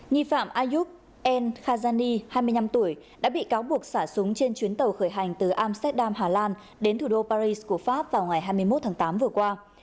nghị phạm ayub n khazani hai mươi năm tuổi đã bị cáo buộc xả súng trên chuyến tàu khởi hành từ amsterdam hà lan đến thủ đô paris của pháp vào ngày hai mươi một tháng tám vừa qua